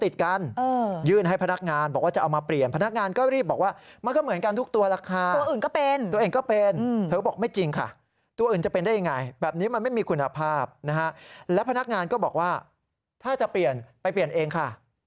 ใช่ค่ะค่ะค่ะค่ะค่ะค่ะค่ะค่ะค่ะค่ะค่ะค่ะค่ะค่ะค่ะค่ะค่ะค่ะค่ะค่ะค่ะค่ะค่ะค่ะค่ะค่ะค่ะค่ะค่ะค่ะค่ะค่ะค่ะค่ะค่ะค่ะค่ะ